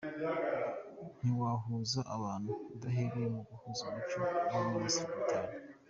Ntiwahuza abantu udahereye mu guhuza umuco yabo–Minisitiri Mitari